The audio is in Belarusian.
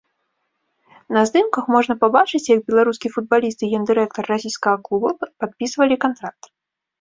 На здымках можна пабачыць, як беларускі футбаліст і гендырэктар расійскага клуба падпісвалі кантракт.